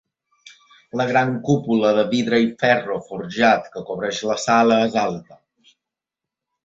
La gran cúpula de vidre i ferro forjat que cobreix la sala és alta.